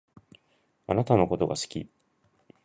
あなたのことが好き